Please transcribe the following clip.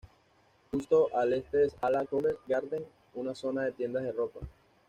Justo al este se halla Covent Garden, una zona de tiendas de ropa.